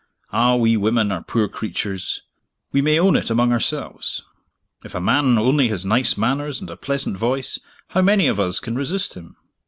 Ah, we women are poor creatures we may own it among ourselves. If a man only has nice manners and a pleasant voice, how many of us can resist him?